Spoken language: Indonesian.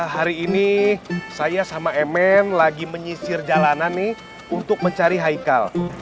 hari ini saya sama mn lagi menyisir jalanan nih untuk mencari hikal